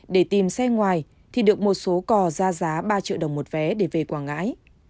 để tìm xe ngoài thì được một số cò ra giá ba triệu đồng một vé để về quảng ngãi